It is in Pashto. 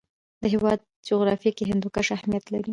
د هېواد جغرافیه کې هندوکش اهمیت لري.